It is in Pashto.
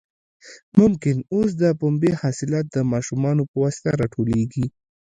ممکن اوس هم د پنبې حاصلات د ماشومانو په واسطه راټولېږي.